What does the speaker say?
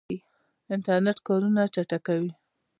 انټرنیټ کارونه چټکوي